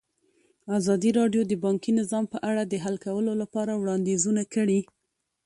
ازادي راډیو د بانکي نظام په اړه د حل کولو لپاره وړاندیزونه کړي.